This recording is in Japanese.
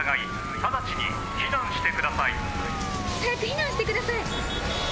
早く避難してください！